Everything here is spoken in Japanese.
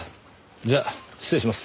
じゃあ失礼します。